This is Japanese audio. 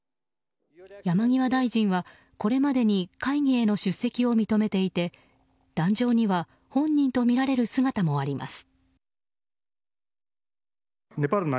山際大臣はこれまでに会議への出席を認めていて壇上には本人とみられる姿もあります。